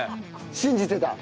信じてた？